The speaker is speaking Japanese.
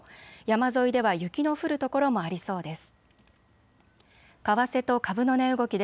山沿いでは雪の降る所もありそうです。